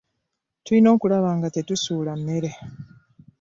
Tulina okulaba nga tetusula mmere.